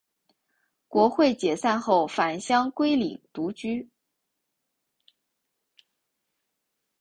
国会解散后返乡归里独居。